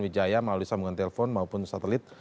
wijaya maulid samungan telepon maupun satelit